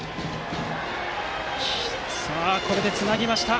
さあ、これでつなぎました。